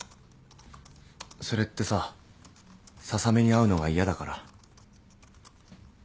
それってさ笹目に会うのが嫌だから？